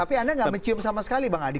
tapi anda nggak mencium sama sekali bang adi